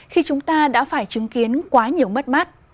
khi chúng ta đã phải chứng kiến quá nhiều mất mát